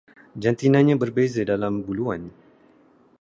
Jantinanya berbeza dalam buluan